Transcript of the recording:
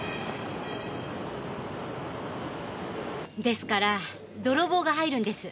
ですから泥棒が入るんです。